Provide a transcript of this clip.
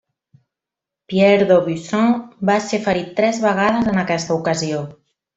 Pierre d'Aubusson va ser ferit tres vegades en aquesta ocasió.